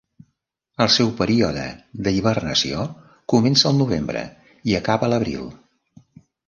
El seu període d'hibernació comença al novembre i acaba a l'abril.